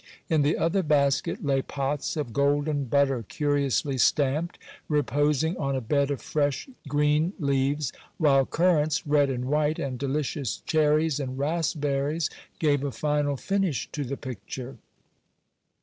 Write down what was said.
In the other basket lay pots of golden butter curiously stamped, reposing on a bed of fresh green leaves, while currants, red and white, and delicious cherries and raspberries, gave a final finish to the picture.